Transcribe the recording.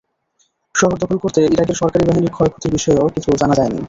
শহর দখল করতে ইরাকের সরকারি বাহিনীর ক্ষয়ক্ষতির বিষয়েও কিছু জানা যায়নি।